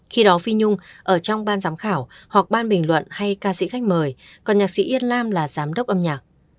khi đó phi nhung ở trong ban giám khảo hoặc ban bình luận hay ca sĩ khách mời còn nhạc sĩ yên lam là giám đốc âm nhạc